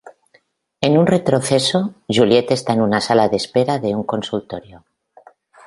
En un retroceso, Juliet está en una sala de espera de un consultorio.